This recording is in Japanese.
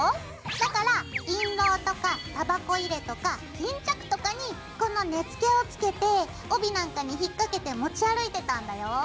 だから印籠とかたばこ入れとか巾着とかにこの根付を付けて帯なんかに引っ掛けて持ち歩いてたんだよ！